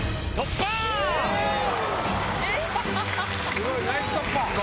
すごい！ナイス突破！